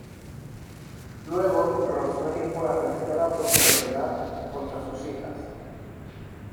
Luego, Rosemary fue arrestada por crueldad contra sus hijas.